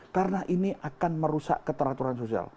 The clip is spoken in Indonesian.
karena ini akan merusak keteraturan sosial